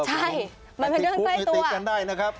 ใช่มันเป็นเรื่องใกล้ตัว